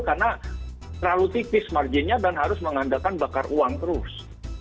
karena terlalu tipis marginnya dan harus mengandalkan bakar uang terus